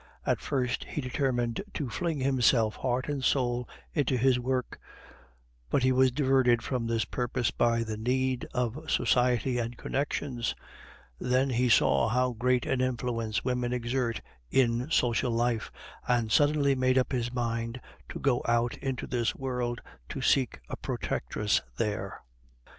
At first he determined to fling himself heart and soul into his work, but he was diverted from this purpose by the need of society and connections; then he saw how great an influence women exert in social life, and suddenly made up his mind to go out into this world to seek a protectress there.